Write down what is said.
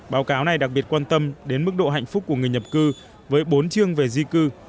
báo cáo này đặc biệt quan tâm đến mức độ hạnh phúc của người nhập cư với bốn chương về di cư